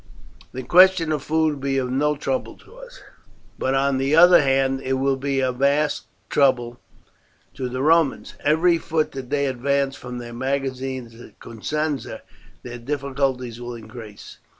The question of food will be of no trouble to us, but on the other hand, it will be a vast trouble to the Romans. Every foot that they advance from their magazines at Cosenza their difficulties will increase.